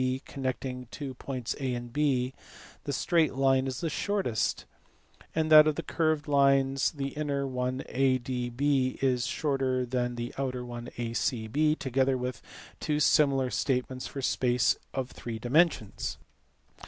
connecting two points A and B, the straight line is the shortest, and of the curved lines, the inner one ALE is A B shorter than the outer one AGE\ together with two similar statements for space of three dimensions.